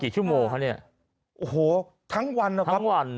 ชั่วโมงคะเนี่ยโอ้โหทั้งวันนะครับทั้งวัน